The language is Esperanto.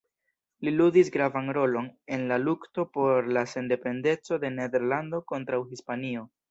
Li ludis gravan rolon en la lukto por la sendependeco de Nederlando kontraŭ Hispanio.